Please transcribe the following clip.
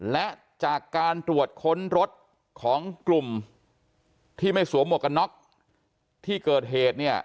และจากการตรวจค้นรถของกลุ่มที่ไม่สวมหมวกกันน็อกที่เกิดเหตุเนี่ย